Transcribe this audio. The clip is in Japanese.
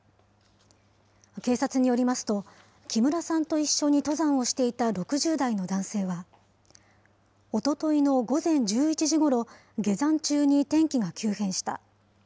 警察によりますと、木村さんと一緒に登山をしていた６０代の男性は、おとといの午前１１時ごろ、下山中に天気が急変した。